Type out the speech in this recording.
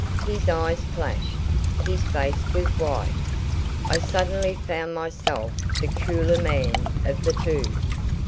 His eyes flashed. His face was white. I suddenly found myself the cooler man of the two.